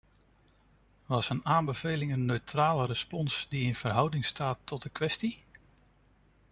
Was een aanbeveling een neutrale respons die in verhouding staat tot de kwestie?